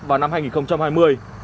vào năm hai nghìn hai mươi